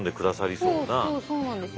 そうそうそうなんですよ。